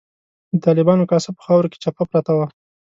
د طالبانو کاسه په خاورو کې چپه پرته وه.